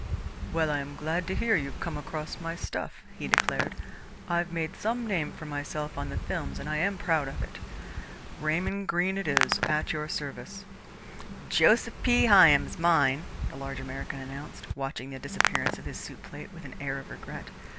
"Well, I am glad to hear you've come across my stuff," he declared. "I've made some name for myself on the films and I am proud of it. Raymond Greene it is, at your service." "Joseph P. Hyam's mine," the large American announced, watching the disappearance of his soup plate with an air of regret.